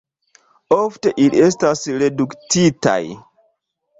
Ofte ili estas reduktitaj.